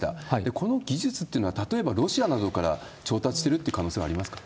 この技術っていうのは、例えばロシアなどから調達してるっていう可能性はありますか？